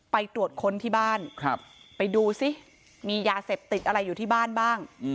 ไปตรวจค้นที่บ้านไปดูซิมียาเสพติดอะไรอยู่ที่บ้านบ้าง